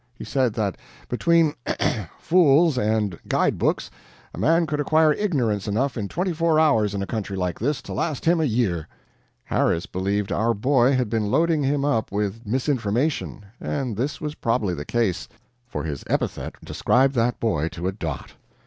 He said that between fools and guide books, a man could acquire ignorance enough in twenty four hours in a country like this to last him a year. Harris believed our boy had been loading him up with misinformation; and this was probably the case, for his epithet described that boy to a dot.